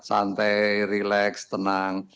santai rileks tenang